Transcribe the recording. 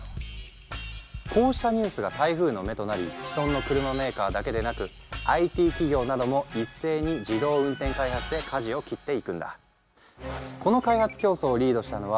こうしたニュースが台風の目となり既存の車メーカーだけでなくＩＴ企業なども一斉に自動運転開発へかじを切っていくんだ。